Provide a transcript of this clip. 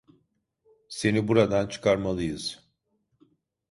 Seni buradan çıkarmalıyız.